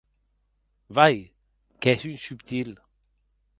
Vai!, qu'ès un subtil!